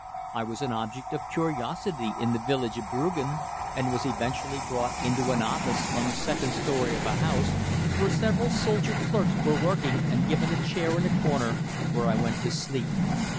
I was an object of curiosity in the village of Brüggen, and was eventually brought into an office, on the second story of a house, where several soldier clerks were working and given a chair in a corner, where I went to sleep.